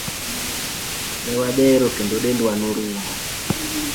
Ne wadhero kendo dendwa norumo.